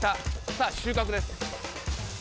さぁ収穫です。